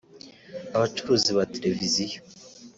abacuruzi ba televiziyo